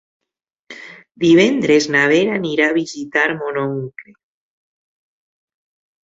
Divendres na Vera anirà a visitar mon oncle.